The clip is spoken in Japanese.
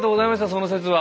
その節は。